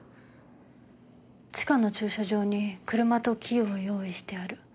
「地下の駐車場に車とキーを用意してある」